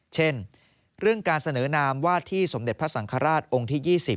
เช่นเรื่องการเสนอนามวาดที่สมเด็จพระสังฆราชองค์ที่๒๐